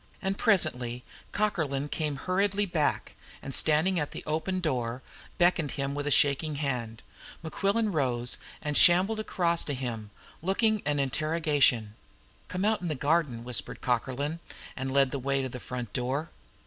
And presently Cockerlyne came hurriedly back, and, standing at the open door, beckoned to him with a shaking hand. Mequillen rose, and shambled across to him, looking an interrogation. "Come out to the garden!" whispered Cockerlyne, and led the way to the front door.